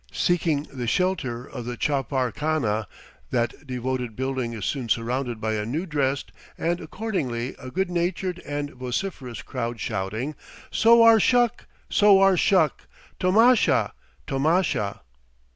Seeking the shelter of the chapar khana, that devoted building is soon surrounded by a new dressed and accordingly a good natured and vociferous crowd shouting "Sowar shuk! sowar shuk! tomasha! tomasha!"